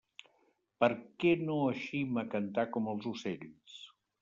Per què no eixim a cantar com els ocells?